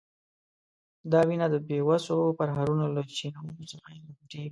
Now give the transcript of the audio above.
دا وینه د بیوسو پرهرونو له چینو څخه راخوټېږي.